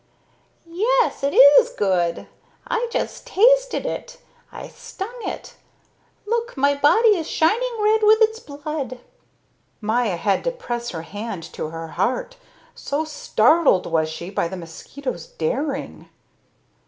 "Yes, it is good. I just tasted it. I stung it. Look, my body is shining red with its blood." Maya had to press her hand to her heart, so startled was she by the mosquito's daring.